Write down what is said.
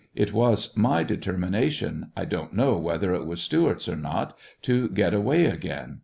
It was my determination, 1 don't know whether it was Stewart's or not, to get away again.